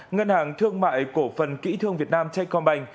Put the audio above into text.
ngân hàng thương mại cổ phần kỹ thương việt nam techcombank